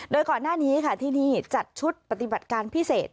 โดยก่อนหน้านี้ค่ะที่นี่จัดชุดปฏิบัติการพิเศษ